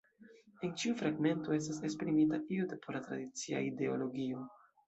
En ĉiu fragmento estas esprimita io de pola tradicia ideologio.